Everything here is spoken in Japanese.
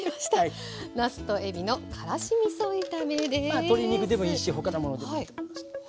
まあ鶏肉でもいいし他のものでもいいと思います。